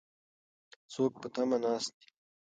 څوک په تمه ناست دي؟